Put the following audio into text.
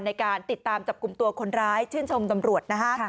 ในการติดตามจับกลุ่มตัวคนร้ายชื่นชมตำรวจนะฮะ